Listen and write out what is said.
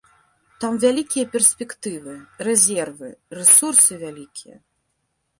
Там вялікія перспектывы, рэзервы, рэсурсы вялікія.